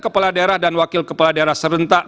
kepala daerah dan wakil kepala daerah serentak